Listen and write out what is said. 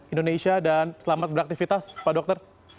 indonesia dan selamat beraktivitas pak dokter